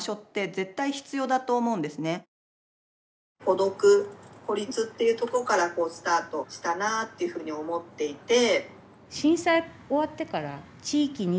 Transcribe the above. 孤独孤立っていうとこからスタートしたなっていうふうに思っていて。